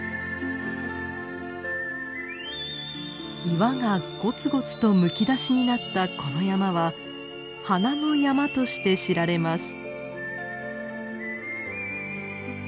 岩がゴツゴツとむき出しになったこの山は花の山として知られます。